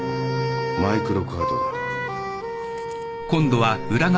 マイクロカードだ。